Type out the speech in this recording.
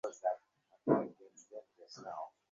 কিন্তু শুধুমাত্র মার্দি গ্রা উৎসবের শেষের দিন মধ্যরাত পর্যন্ত।